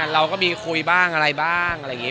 เราก็มีคุยบ้างอะไรบ้างอะไรอย่างนี้